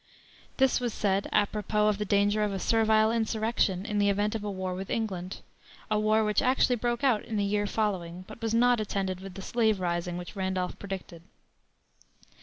This was said apropos of the danger of a servile insurrection in the event of a war with England a war which actually broke out in the year following, but was not attended with the slave rising which Randolph predicted.